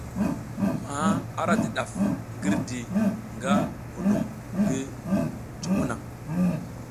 Maha ara di ɗaf ngirdi nga hunum ngi jomo naŋ.